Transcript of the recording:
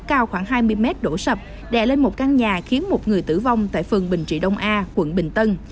cao khoảng hai mươi mét đổ sập đè lên một căn nhà khiến một người tử vong tại phường bình trị đông a quận bình tân